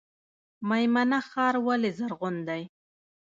میمنه ښار ولې زرغون دی؟